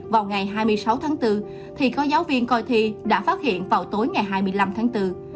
vào ngày hai mươi sáu tháng bốn thì có giáo viên coi thi đã phát hiện vào tối ngày hai mươi năm tháng bốn